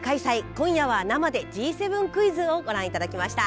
今夜は生でＧ７クイズ」をご覧いただきました。